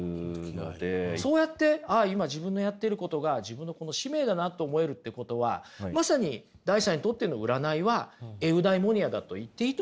そうやってああ今自分のやってることが自分のこの使命だなあと思えるってことはまさにダイさんにとっての占いはエウダイモニアだと言っていいと思いますね。